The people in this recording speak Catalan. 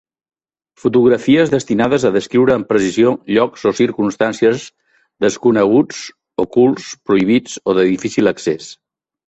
Fotografies destinades a descriure amb precisió llocs o circumstàncies desconeguts, ocults, prohibits o de difícil accés.